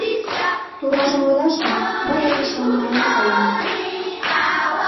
Туражым ойлаш гын, мый эргычлан марлан каемат...